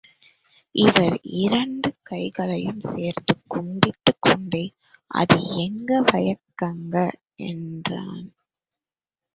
அவன் இரண்டு கைகளையும் சேர்த்துக் கும்பிட்டுக் கொண்டே, அது எங்க வயக்கங்க என்றான்.